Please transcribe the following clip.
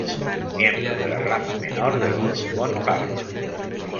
Miembro de la rama menor de los Borbón-Parma.